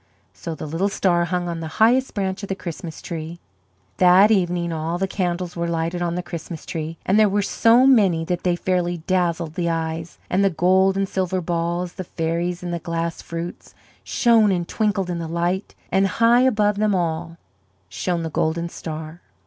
So the little star hung on the highest branch of the Christmas tree. That evening all the candles were lighted on the Christmas tree, and there were so many that they fairly dazzled the eyes; and the gold and silver balls, the fairies and the glass fruits, shone and twinkled in the light; and high above them all shone the golden star.